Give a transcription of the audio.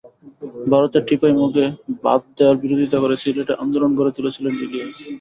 ভারতের টিপাইমুখে বাঁধ দেওয়ার বিরোধিতা করে সিলেটে আন্দোলন গড়ে তুলেছিলেন ইলিয়াস।